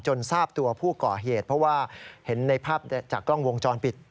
ทราบตัวผู้ก่อเหตุเพราะว่าเห็นในภาพจากกล้องวงจรปิด